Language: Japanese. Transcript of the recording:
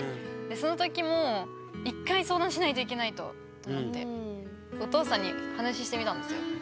でその時も１回相談しないといけないとと思ってお父さんに話してみたんですよ。